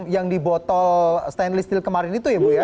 yang di botol stainless kemarin itu ya ibu ya